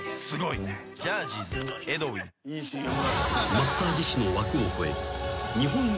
［マッサージ師の枠を超え日本一